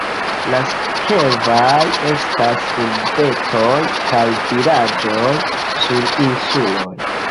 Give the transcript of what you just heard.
La sekvaj estas urbetoj kaj vilaĝoj sur insuloj.